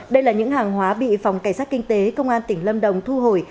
đây là những hàng hóa bị phòng cảnh sát kinh tế công an tỉnh lâm đồng thu hồi